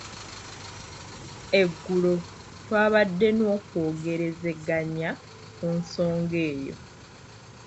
Eggulo twabadde n'okwogerezeganya ku nsonga eyo.